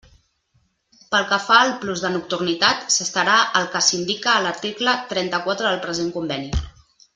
Pel que fa al plus de nocturnitat s'estarà al que s'indica a l'article trenta-quatre del present conveni.